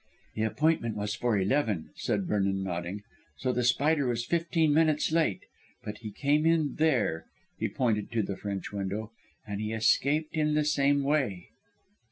"The appointment was for eleven," said Vernon nodding, "so The Spider was fifteen minutes late. But he came in there" he pointed to the French window "and he escaped in the same way."